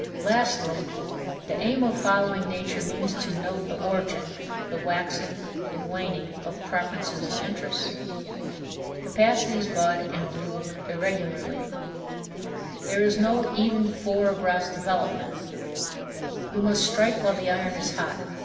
Lastly, the aim of following nature means to note the origin, the waxing, and waning, of preferences and interests. Capacities bud and bloom irregularly; there is no even four abreast development. We must strike while the iron is hot.